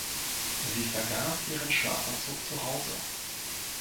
Sie vergaß ihren Schlafanzug zu Hause.